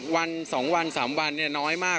วันสองวันสามวันนี่น้อยมาก